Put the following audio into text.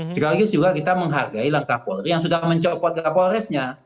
sekaligus juga kita menghargai langkah polri yang sudah mencopot kapolresnya